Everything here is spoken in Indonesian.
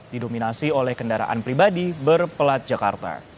didominasi oleh kendaraan pribadi berpelat jakarta